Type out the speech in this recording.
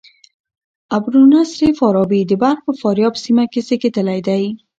ابو نصر فارابي د بلخ په فاریاب سیمه کښي زېږېدلى دئ.